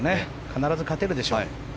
必ず勝てるでしょう。